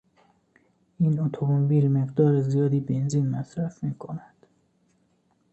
این اتومبیل مقدار زیادی بنزین مصرف میکند.